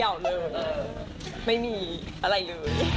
เป็นสัมภัณฑ์ใหญ่เลย